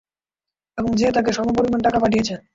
এবং যে তাকে সমপরিমাণ টাকা পাঠিয়েছে।